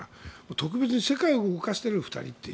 特別に世界を動かしている２人という。